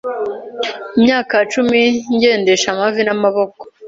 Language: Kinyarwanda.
imyaka cumi ngendesha amavi n’amaboko